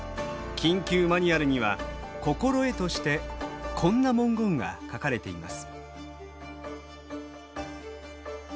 緊急マニュアルには心得としてこんな文言が書かれています。